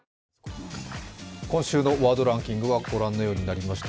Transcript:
今週のワードランキングはご覧のようになりました。